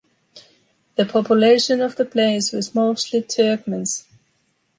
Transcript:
The population of the plains was mostly Turkmens.